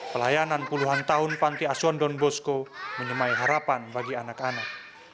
pelayanan puluhan tahun panti asuhan don bosco menyemai harapan bagi anak anak